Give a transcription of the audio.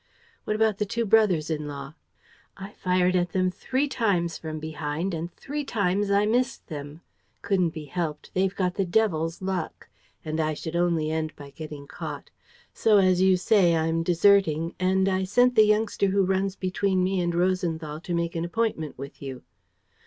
"What about the two brothers in law?" "I fired at them three times from behind and three times I missed them. Couldn't be helped: they've got the devil's luck; and I should only end by getting caught. So, as you say, I'm deserting; and I sent the youngster who runs between me and Rosenthal to make an appointment with you."